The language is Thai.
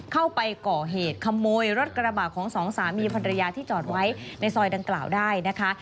เข้าไปก่อเหตุขโมยรถกระบะของสองสามีภรรยาที่จอดไว้ในซอยดังกล่าวได้นะคะ